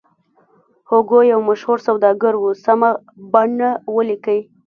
هوګو یو مشهور سوداګر و سمه بڼه ولیکئ.